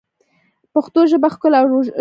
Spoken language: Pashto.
پښتو ژبه ښکلي او ژوره ده.